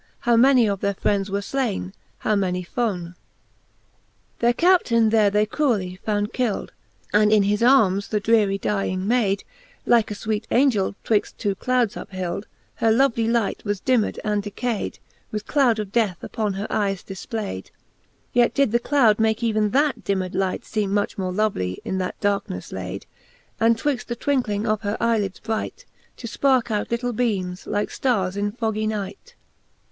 How many of their friends were flaine, how many fone. XXI. Their Canto XL the Faerie §lueene, 375 XXI. Their Captaine there they cruelly found kild, And in his armes the dreary dying mayd, Like a fweet Angell twixt two clouds uphild : Her lovely light was dimmed and decayd, With cloud of death upon her eyes difplayd ; Yet did the cloud make even that dimmed light Seeme much more lovely in that darknefle layd, And twixt the twinckling of her eye lids bright, To fparke out litle beames, like ftarres in foggie night.